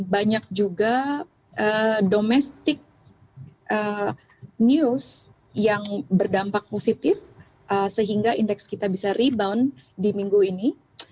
banyak juga domestic news yang berdampak positif sehingga indeks kita bisa rebound di minggu ini